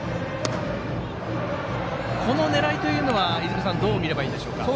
この狙いというのはどう見ればいいでしょうか。